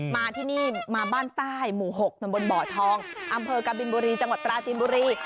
มาที่นี่มาบ้านใต้หมู่๖ตำบลบ่อทองอำเภอกบินบุรีจังหวัดปราจีนบุรี